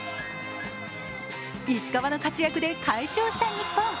石川の活躍で快勝した日本。